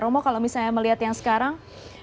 romo kalau misalnya melihat yang sekarang